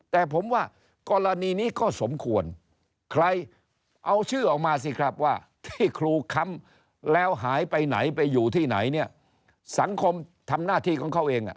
แต่ผมว่ากรณีนี้ก็สมควรใครเอาชื่อออกมาสิครับว่าที่ครูค้ำแล้วหายไปไหนไปอยู่ที่ไหนเนี่ยสังคมทำหน้าที่ของเขาเอง